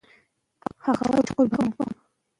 روژه د عصبي نمو عوامل زیاتوي.